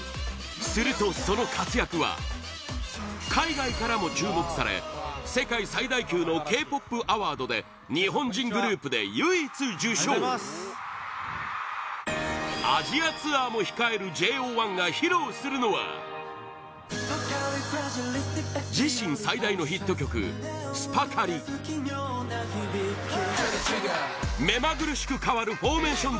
すると、その活躍は海外からも注目され世界最大級のＫ‐ＰＯＰアワードで日本人グループで唯一受賞アジアツアーも控えるＪＯ１が披露するのは自身最大のヒット曲「ＳｕｐｅｒＣａｌｉ」目まぐるしく変わるフォーメーション